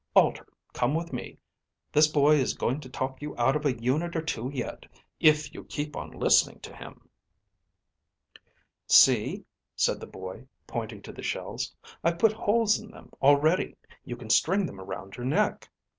"Alter, come with me. This boy is going to talk you out of a unit or two yet, if you keep on listening to him." "See," said the boy, pointing to the shells. "I've put holes in them already. You can string them around your neck."